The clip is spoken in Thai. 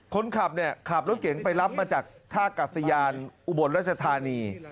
คนขับเนี่ยขับรถเก๋งไปรับมาจากท่ากัศยานอุบลรัชธานี